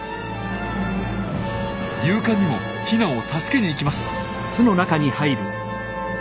勇敢にもヒナを助けに行きます。